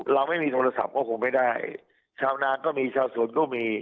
เราไม่มีโทรศัพท์ก็คงไม่ได้ชาวนาก็มีชาวสวนก็มี